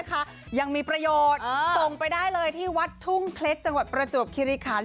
ยังมีประโยชน์ส่งไปได้เลยที่วัดทุ่งเคล็ดจังหวัดประจวบคิริคัน